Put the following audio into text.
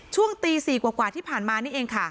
ช่วงตี๔กว่าที่ผ่านมานี่เองค่ะ